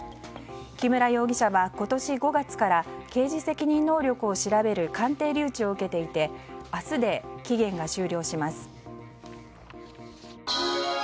木村容疑者は、今年５月から刑事責任能力を調べる鑑定留置を受けていて明日で期限が終了します。